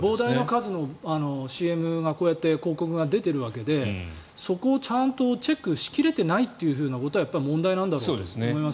膨大な数のＣＭがこうやって広告が出ているわけでそこをちゃんとチェックしきれていないことが問題なんだろうと思います。